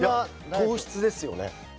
いや、糖質ですよね。